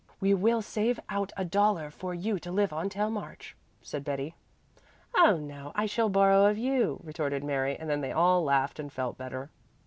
"We will save out a dollar for you to live on till March," said Betty. "Oh no, I shall borrow of you," retorted Mary, and then they all laughed and felt better.